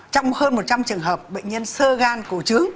trong hơn một trăm linh trường hợp bệnh nhân sơ gan cổ trứng